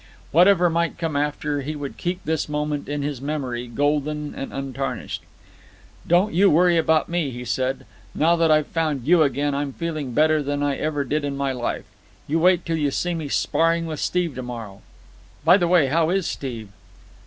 Whatever might come after, he would keep this moment in his memory golden and untarnished. "Don't you worry about me," he said. "Now that I've found you again I'm feeling better than I ever did in my life. You wait till you see me sparring with Steve to morrow. By the way, how is Steve?"